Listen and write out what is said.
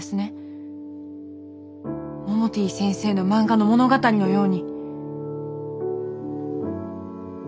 モモティ先生の漫画の物語のように。